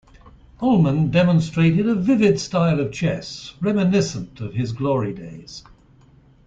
Uhlmann demonstrated a vivid style of chess reminiscent of his glory days.